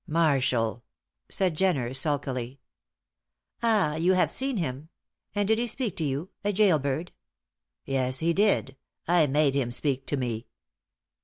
"Marshall," said Jenner, sulkily. "Ah you have seen him. And did he speak to you a gaol bird?" "Yes, he did. I made him speak to me."